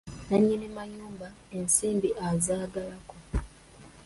Nnannyini mayumba ensimbi azaagalako.